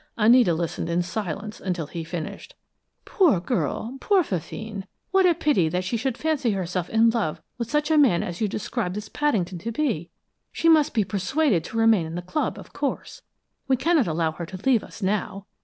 Anita listened in silence until he had finished. "Poor girl! Poor Fifine! What a pity that she should fancy herself in love with such a man as you describe this Paddington to be! She must be persuaded to remain in the club, of course; we cannot allow her to leave us now.